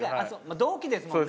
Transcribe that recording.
同期ですもんね。